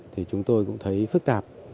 thì chúng tôi cũng thấy phức tạp